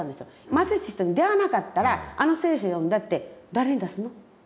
貧しい人に出会わなかったらあの「聖書」読んだって「誰に出すの？」